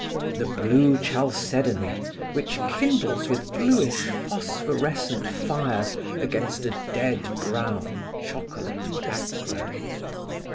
The blue chalcedony which kindles with bluish phosphorescent fires against a dead brown, chocolate background.